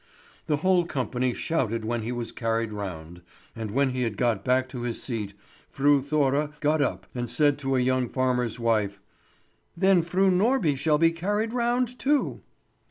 The whole company shouted when he was carried round; and when he had got back to his seat, Fru Thora got up and said to a young farmer's wife: "Then Fru Norby shall be carried round too!"